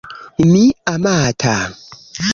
Mi amata